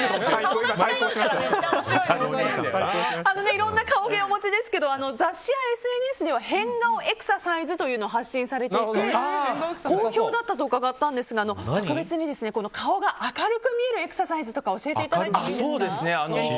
いろんな顔芸をお持ちですけど雑誌やＳＮＳには変顔エクササイズというのを発信されていて好評だと伺ったんですが特別に、顔が明るく見えるエクササイズとかを教えていただいていいですか。